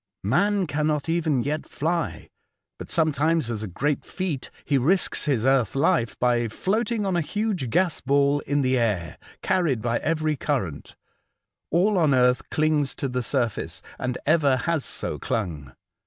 Man cannot even yet fly, but some times as a great feat he risks his earth life by floating on a huge gas ball in the air, carried by every current. All on earth cliugs to the surface, and ever has so clung.